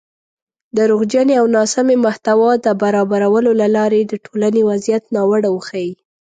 دروغجنې او ناسمې محتوا د برابرولو له لارې د ټولنۍ وضعیت ناوړه وښيي